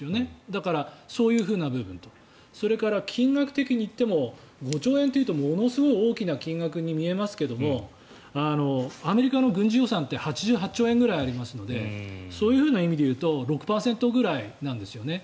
だから、そういう部分と。それから金額的にいっても５兆円というとものすごい大きな金額に見えますけどもアメリカの軍事予算って８８兆円ぐらいありますのでそういうふうな意味でいうと６％ぐらいなんですよね。